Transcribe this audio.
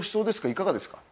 いかがですか？